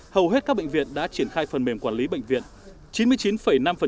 hầu hết các bệnh viện đã triển khai phần mềm quản lý bệnh viện